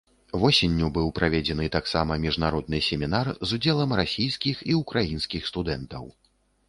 Восенню быў праведзены таксама міжнародны семінар з удзелам расійскіх і ўкраінскіх студэнтаў.